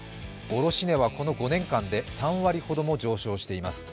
卸値はこの５年間で３割ほども上昇しています。